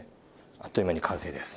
あっという間に完成です。